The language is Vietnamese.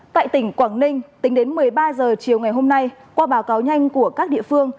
tại tỉnh quảng ninh tính đến một mươi ba h chiều ngày hôm nay qua báo cáo nhanh của các địa phương